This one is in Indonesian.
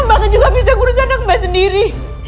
mbak kan juga bisa ngurus anak mbak sendiri